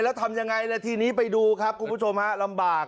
แล้วทำยังไงล่ะทีนี้ไปดูครับคุณผู้ชมฮะลำบาก